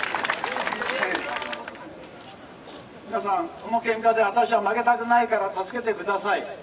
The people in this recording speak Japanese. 皆さんこの喧嘩で私は負けたくないから助けてください。